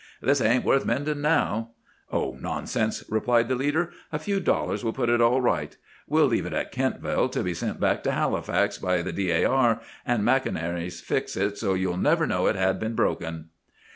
This ain't worth mending now.' "'Oh, nonsense!' replied the leader; 'a few dollars will put it all right. We'll leave it at Kentville to be sent back to Halifax by the D. A. R., and McInerney'll fix it so you'd never know it had been broken!